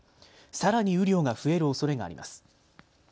さらに雨量が増えるおそれがあります。